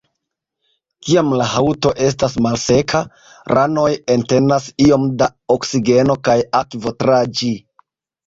Kiam la haŭto estas malseka, ranoj entenas iom da oksigeno kaj akvo tra ĝi.